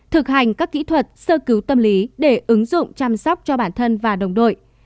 thực hành các kỹ thuật sơ cứu tâm lý để ứng dụng chăm sóc cho bản thân và đồng đội